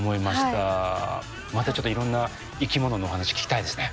またちょっといろんな生きもののお話聞きたいですね。